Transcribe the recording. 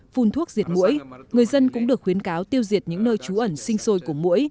phun thuốc diệt mũi người dân cũng được khuyến cáo tiêu diệt những nơi trú ẩn sinh sôi của mũi